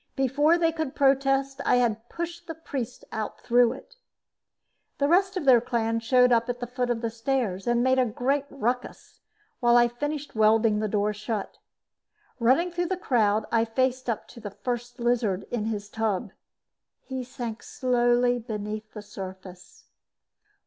Before they could protest, I had pushed the priests out through it. The rest of their clan showed up at the foot of the stairs and made a great ruckus while I finished welding the door shut. Running through the crowd, I faced up to the First Lizard in his tub. He sank slowly beneath the surface.